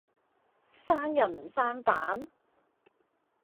生人唔生膽